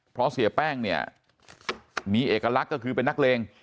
เพราะเสียแป้งเนี่ยมีเอกลักษณ์ก็คือเป็นนักเลง